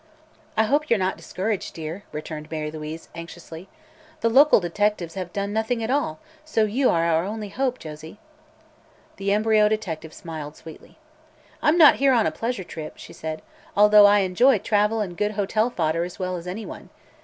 "I hope you're not discouraged, dear," returned Mary Louise anxiously. "The local detectives have done nothing at all, so you are our only hope, Josie." The embryo detective smiled sweetly. "I'm not here on a pleasure trip," she said, "although I enjoy travel and good hotel fodder as well as anyone.